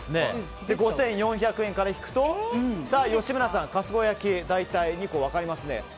５４００円から引くと吉村さん、春子焼大体２個分かりますね。